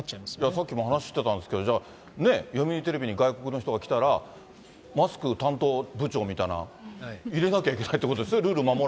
さっきも話してたんですけど、じゃあ、読売テレビに外国の人が来たら、マスク担当部長みたいなの入れなきゃいけないっていうことですよ